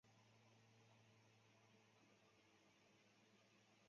进展速度因人而异。